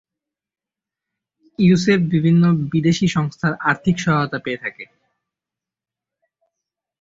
ইউসেপ বিভিন্ন বিদেশি সংস্থার আর্থিক সহায়তা পেয়ে থাকে।